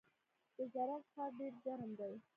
د زرنج ښار ډیر ګرم دی